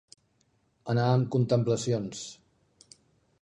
Anar amb contemplacions.